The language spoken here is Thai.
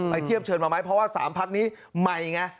เทียบเชิญมาไหมเพราะว่า๓พักนี้ใหม่ไง